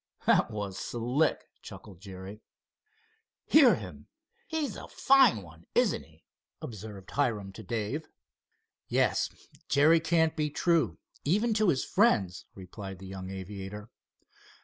"That was slick," chuckled Jerry. "Hear him! He's a fine one, isn't he?" observed Hiram to Dave. "Yes, Jerry can't be true, even to his friends," replied the young aviator.